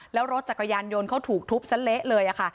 แล้วรถจักรยานยนต์เขาถูกทุบซะเละเลยค่ะ